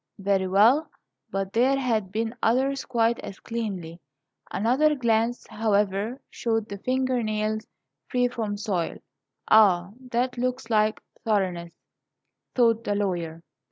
Very well; but there had been others quite as cleanly. Another glance, however, showed the finger nails free from soil. "Ah, that looks like thoroughness," thought the lawyer.